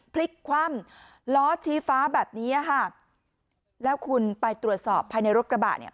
พลิกคว่ำล้อชี้ฟ้าแบบนี้ค่ะแล้วคุณไปตรวจสอบภายในรถกระบะเนี่ย